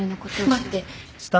待って。